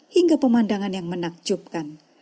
hingga pemandangan yang menakjubkan